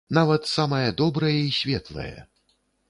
Нават самае добрае і светлае.